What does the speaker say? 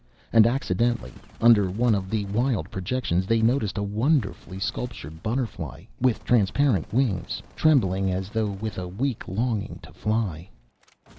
And, accidentally, under one of the wild projections, they noticed a wonderfully sculptured butterfly, with transparent wings, trembling as though with a weak longing to fly.